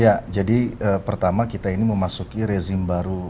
ya jadi pertama kita ini memasuki rezim baru